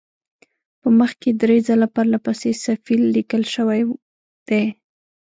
په مخ کې درې ځله پرله پسې صفیل لیکل شوی دی.